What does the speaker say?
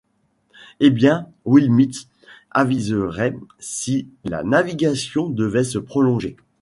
Eh bien, Will Mitz aviserait si la navigation devait se prolonger.